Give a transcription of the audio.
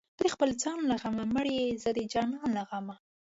ته د خپل ځان له غمه مرې زه د جانان له غمه